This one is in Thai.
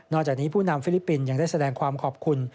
จากนี้ผู้นำฟิลิปปินส์ยังได้แสดงความขอบคุณ